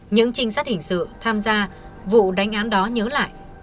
những trinh sát hình sự tham gia vụ đánh án đó nhớ lại